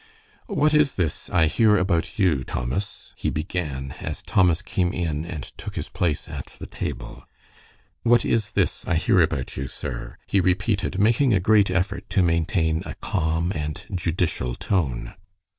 "What is this I hear about you, Thomas?" he began, as Thomas came in and took his place at the table. "What is this I hear about you, sir?" he repeated, making a great effort to maintain a calm and judicial tone.